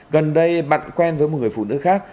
gần đây bạn quen với một người phụ nữ khác